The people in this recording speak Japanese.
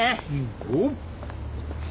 おっ！